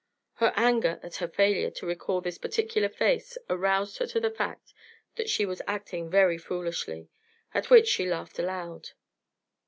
Her anger at her failure to recall this particular face aroused her to the fact that she was acting very foolishly, at which she laughed aloud.